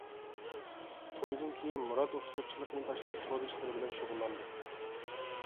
تويدىن كېيىن مۇرات ئوقۇتقۇچىلىقنى تاشلاپ سودا ئىشلىرى بىلەن شۇغۇللاندى.